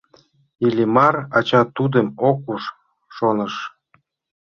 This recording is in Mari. Иллимар, ача тудым ок уж, шоныш.